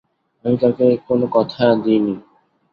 আমি কাউকে কোন কথা দিই নি।